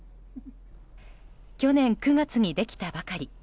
去年９月にできたばかり。